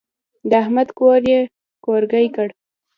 د احمد کور يې کورګی کړ.